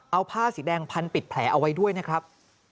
เอาผ้าสีแดงพันปิดแผลเอาไว้ด้วยนะครับ